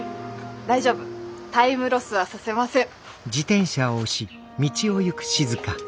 大丈夫タイムロスはさせません。